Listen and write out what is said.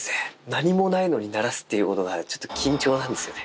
何もないのに鳴らすっていうことが、ちょっと緊張なんですよね。